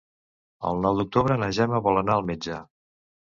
El nou d'octubre na Gemma vol anar al metge.